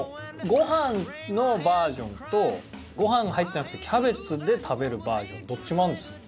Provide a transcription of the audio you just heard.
ご飯のバージョンとご飯が入ってなくてキャベツで食べるバージョンどっちもあるんですよ。